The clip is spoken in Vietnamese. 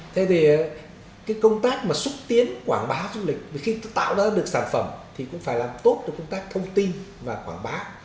thế thì cái công tác mà xúc tiến quảng bá du lịch khi tạo ra được sản phẩm thì cũng phải làm tốt được công tác thông tin và quảng bá